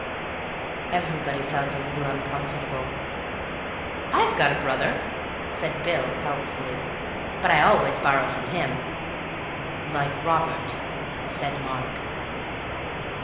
Everybody felt a little uncomfortable. "I've got a brother," said Bill helpfully, "but I always borrow from him." "Like Robert," said Mark.